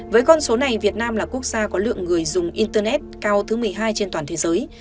với con số này việt nam là quốc gia có lượng người dùng internet cao thứ một mươi hai trên toàn thế giới